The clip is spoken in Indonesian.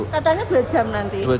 katanya dua jam nanti